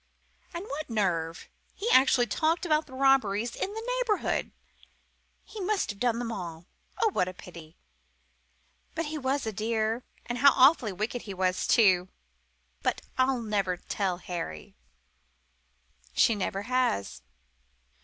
And what nerve! He actually talked about the robberies in the neighbourhood. He must have done them all. Oh, what a pity! But he was a dear. And how awfully wicked he was, too but I'll never tell Harry!" She never has.